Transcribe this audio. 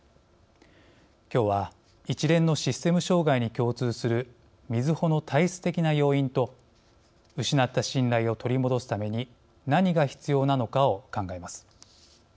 きょうは一連のシステム障害に共通するみずほの体質的な要因と失った信頼を取り戻すために何が必要なのかを考えます。